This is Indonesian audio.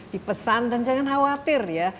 dipesan dan jangan khawatir ya